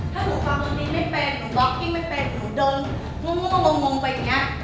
ถ้าหนูฟังวนดีไม่เป็นหนูล็อกกิ้งไม่เป็นหนูเดินมุมมุมไปเนี่ย